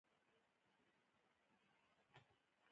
د ځمکوالو له لوري ووژل شو.